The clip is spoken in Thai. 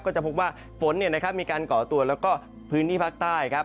ก็จะพบว่าฝนมีการก่อตัวแล้วก็พื้นที่ภาคใต้ครับ